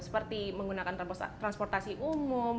seperti menggunakan transportasi umum